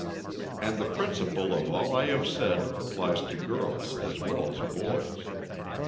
And the principle of all I have said applies to girls as well as boys.